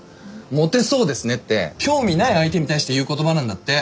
「モテそうですね」って興味ない相手に対して言う言葉なんだって。